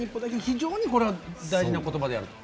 非常にこれは大事な言葉であると。